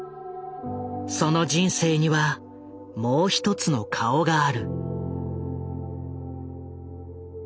その人生にはもう一つの顔がある。